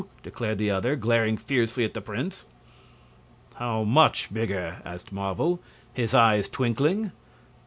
declared the other, glaring fiercely at the prince. "How much bigger?" asked Marvel, his eyes twinkling.